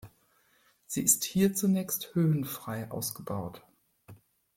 Sie ist hier zunächst höhenfrei ausgebaut.